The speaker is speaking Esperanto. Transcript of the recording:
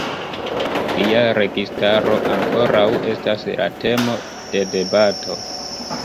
Lia registaro ankoraŭ estas la temo de debato.